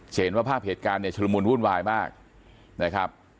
เห็นว่าภาพเหตุการณ์เนี่ยชุลมุนวุ่นวายมากนะครับ